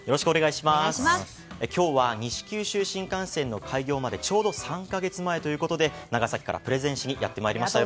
今日は西九州新幹線の開業までちょうど３か月前ということで長崎からプレゼンしにやってまいりました。